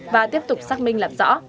và tiếp tục xác minh làm rõ